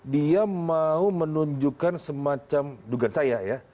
dia mau menunjukkan semacam dugaan saya ya